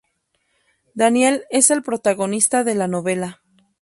Daniel es el protagonista de la novela.